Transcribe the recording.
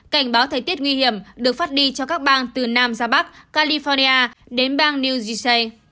cảnh báo thời tiết nguy hiểm được phát đi cho các bang từ nam ra bắc california đến bang new zechay